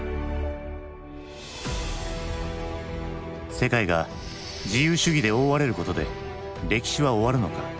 世界が自由主義で覆われることで歴史は終わるのか？